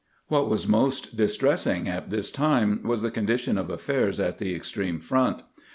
What was most distressing at this time was the con dition of affairs at the extreme front.